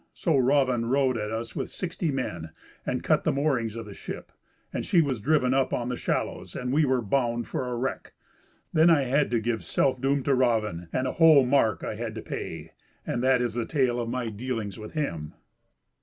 So Raven rode at us with sixty men, and cut the moorings of the ship, and she was driven up on the shallows, and we were bound for a wreck. Then I had to give selfdoom to Raven, and a whole mark I had to pay; and that is the tale of my dealings with him."